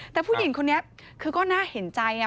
แต่ผู้หญิงคนนี้คือก็น่าเห็นใจ